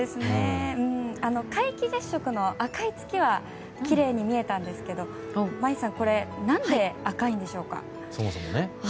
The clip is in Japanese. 皆既月食の赤い月はきれいに見えたんですけど眞家さんそもそも何で赤いんでしょうか？